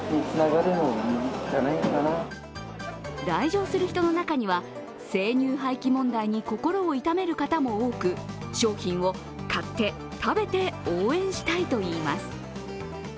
来場する人の中には生乳廃棄問題に心を痛める方も多く、商品を買って、食べて応援したいといいます。